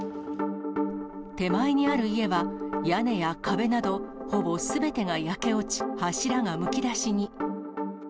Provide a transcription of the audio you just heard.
手前にある家は、屋根や壁など、ほぼすべてが焼け落ち、柱がむき出しに。